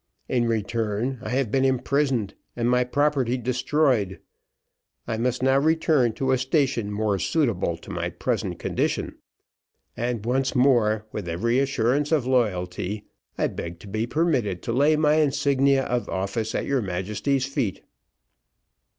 In return, I have been imprisoned and my property destroyed, I must now return to a station more suitable to my present condition, and once more with every assurance of loyalty, I beg to be permitted to lay my insignia of office at your Majesty's feet."